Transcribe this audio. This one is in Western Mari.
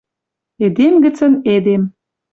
Эдем гӹцӹн Эдем